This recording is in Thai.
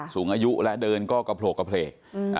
สูงอายุและเดินก็กระโผลกกระเพลก